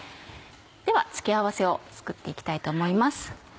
では付け合わせを作って行きたいと思います。